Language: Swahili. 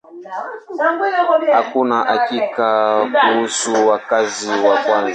Hakuna hakika kuhusu wakazi wa kwanza.